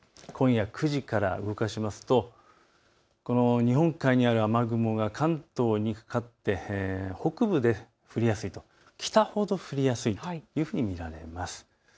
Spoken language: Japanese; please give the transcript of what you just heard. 今夜９時から動かしますと日本海にある雨雲が関東にかかって北部で降りやすい、北ほど降りやすいというふうに見られます。